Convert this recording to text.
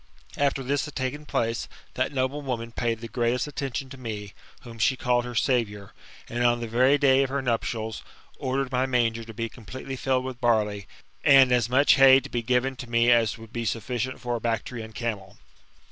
After this had taken place, that noble woman paid the greatest attention to me, whom she called her saviour; and, on the very day of her nuptials, ordered my manger to be completely filled with barley, and as much hay to be given to me as would be sufficient for a Bactrian camel.